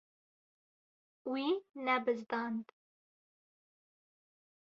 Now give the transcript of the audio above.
Wî nebizdand.